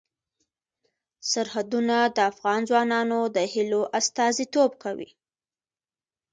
سرحدونه د افغان ځوانانو د هیلو استازیتوب کوي.